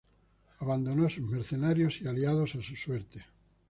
Abandonó a sus mercenarios y aliados a su suerte.